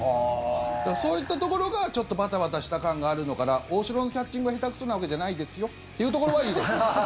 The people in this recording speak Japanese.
そういったところが、ちょっとバタバタした感があるのかな大城のキャッチングが下手くそなわけじゃないですよっていうところはいいですね。